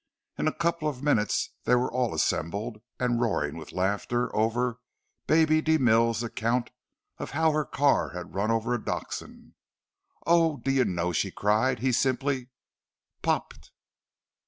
In a couple of minutes they were all assembled—and roaring with laughter over "Baby" de Mille's account of how her car had run over a dachshund. "Oh, do you know," she cried, "he simply _popped!